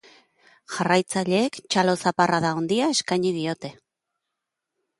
Jarraitzaileek txalo-zaparrada handia eskaini diote.